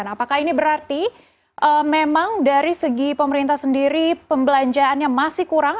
apakah ini berarti memang dari segi pemerintah sendiri pembelanjaannya masih kurang